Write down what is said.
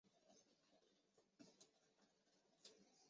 这种观点否认了自然选择的可能。